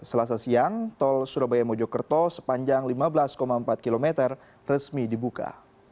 selasa siang tol surabaya mojokerto sepanjang lima belas empat km resmi dibuka